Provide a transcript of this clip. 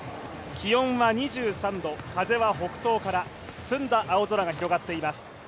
気温は２３度、風は北東から、澄んだ青空が広がっています。